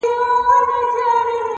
خپل ځواک د خیر په لور رهبري کړئ,